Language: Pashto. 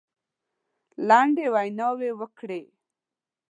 لنډې ویناوي وکړې.